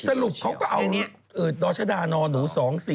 สรุปเขาก็เอาดรชดานอนหนู๒๔